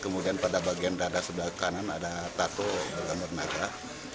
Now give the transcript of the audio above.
kemudian pada bagian dada sebelah kanan ada tato gambar nakrak